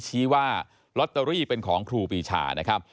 ชี้ว่าล็อตเตอรี่เป็นของครูปีชา